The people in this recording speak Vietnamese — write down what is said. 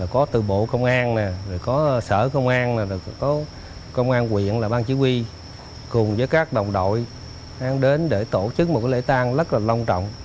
có từ bộ công an có sở công an có công an huyện là ban chỉ huy cùng với các đồng đội đang đến để tổ chức một cái lễ tang rất là long trọng